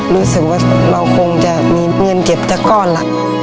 รู้สึกว่าเราคงจะมีเงินเก็บสักก้อนล่ะ